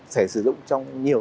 sẽ sử dụng trong nhiều